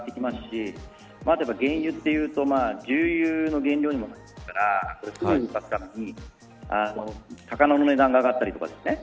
原油というと重油の原料にもなりますから魚の値段が上がったりとかですね